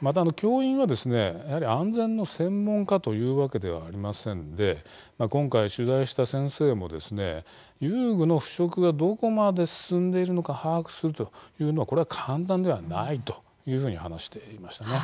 また、教員は、やはり安全の専門家というわけではありませんので今回、取材した先生も遊具の腐食がどこまで進んでいるのか把握するというのは簡単ではないというふうに話していました。